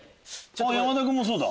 山田君もそうだ。